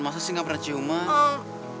masa sih gak pernah ciuman